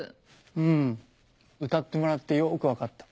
うん歌ってもらってよく分かった。